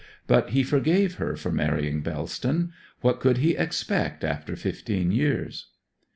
But he forgave her for marrying Bellston; what could he expect after fifteen years?